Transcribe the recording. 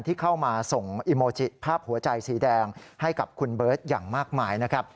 ที่เข้ามาส่งอิโมจิภาพหัวใจสีแดงให้กับคุณเบิร์ตอย่างมากมายนะครับ